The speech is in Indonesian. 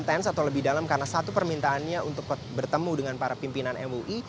intens atau lebih dalam karena satu permintaannya untuk bertemu dengan para pimpinan mui